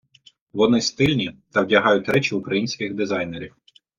Вони стильні та вдягають речі українських дизайнерів.